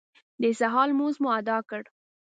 د سهار لمونځ مو اداء کړ.